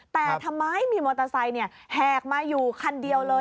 แต่ทำไมมีมอเตอร์ไซค์แหกมาอยู่คันเดียวเลย